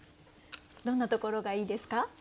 どんなところがいいですか？